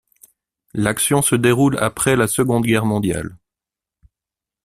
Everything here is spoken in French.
L'action se déroule après la Seconde Guerre mondiale.